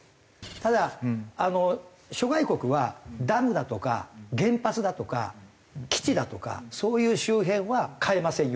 ただ諸外国はダムだとか原発だとか基地だとかそういう周辺は買えませんよ。